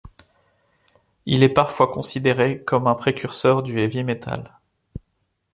Il est parfois considéré comme un précurseur du heavy metal.